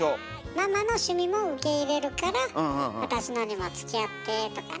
ママの趣味も受け入れるから私のにもつきあってとかね。